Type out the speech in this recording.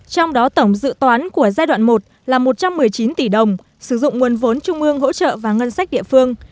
trong đó tổng dự toán của giai đoạn một là một trăm một mươi chín tỷ đồng sử dụng nguồn vốn trung ương hỗ trợ và ngân sách địa phương